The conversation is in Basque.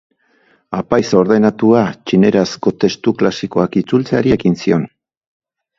Apaiz ordenatua, txinerazko testu klasikoak itzultzeari ekin zion.